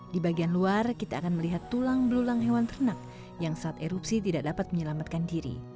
di bagian luar kita akan melihat tulang belulang hewan ternak yang saat erupsi tidak dapat menyelamatkan diri